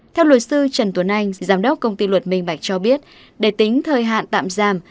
theo luật sư trần tuấn anh giám đốc công ty luật minh bạch cho biết để tính thời hạn tạm giam